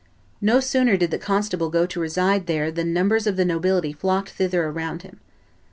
No sooner did the constable go to reside there than numbers of the nobility flocked thither around him.